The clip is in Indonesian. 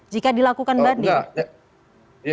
jika dilakukan badi